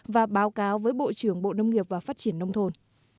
và báo cáo với bộ trưởng bộ nông nghiệp và phát triển nông thôn